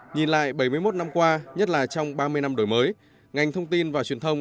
nhìn lại bảy mươi một năm qua nhất là trong ba mươi năm đổi mới ngành thông tin và truyền thông